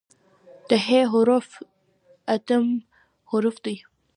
د "ح" حرف اتم حرف دی.